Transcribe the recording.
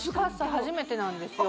初めてなんですよ